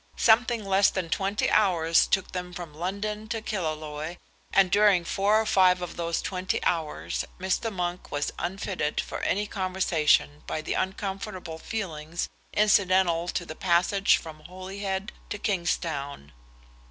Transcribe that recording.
Something less than twenty hours took them from London to Killaloe, and during four or five of those twenty hours Mr. Monk was unfitted for any conversation by the uncomfortable feelings incidental to the passage from Holyhead to Kingstown.